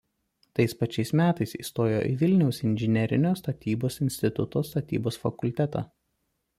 Tais pačiais metais įstojo į Vilniaus inžinerinio statybos instituto Statybos fakultetą.